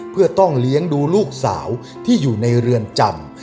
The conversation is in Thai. เพื่อต้องเลี้ยงดูลูกสาวที่อยู่ในเรือนจำ